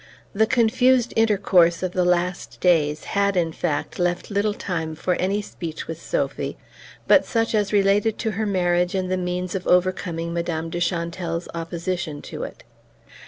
The confused intercourse of the last days had, in fact, left little time for any speech with Sophy but such as related to her marriage and the means of overcoming Madame de Chantelle's opposition to it.